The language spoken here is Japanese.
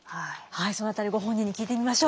はいその辺りご本人に聞いてみましょう。